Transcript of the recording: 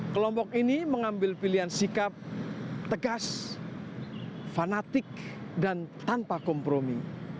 kelompok ini mengambil pilihan sikap tegas fanatik dan tanpa kompromi